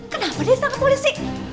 kenapa dia sangat polisi